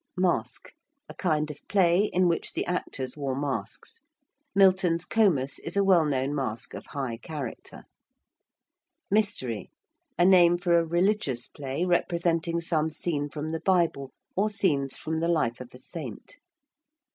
~masque~: a kind of play in which the actors wore masks. Milton's 'Comus' is a well known masque of high character. ~mystery~: a name for a religious play representing some scene from the Bible or scenes from the life of a saint.